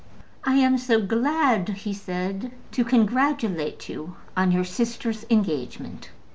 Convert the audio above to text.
"I am so glad," he said, "to congratulate you on your sister's engagement."